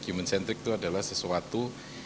human centric itu adalah sesuatu